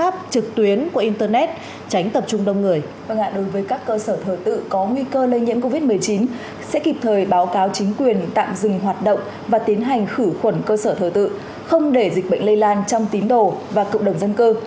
bài hạ đối với các cơ sở thờ tự có nguy cơ lây nhiễm covid một mươi chín sẽ kịp thời báo cáo chính quyền tạm dừng hoạt động và tiến hành khử khuẩn cơ sở thờ tự không để dịch bệnh lây lan trong tín đồ và cộng đồng dân cơ